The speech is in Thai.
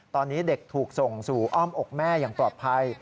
ตอนนี้เด็กถูกส่งสู่อ้อมอกแม่อย่างปลอดภัย